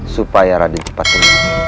supaya raden cepat tidur